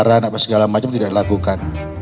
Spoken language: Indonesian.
perang apa segala macam tidak dilakukan